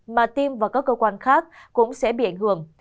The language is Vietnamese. mà tim vào các cơ quan khác cũng sẽ bị ảnh hưởng